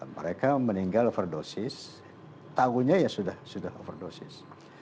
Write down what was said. mereka meninggal overdosis tahunya ya sudah overdosis